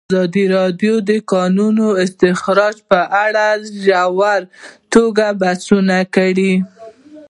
ازادي راډیو د د کانونو استخراج په اړه په ژوره توګه بحثونه کړي.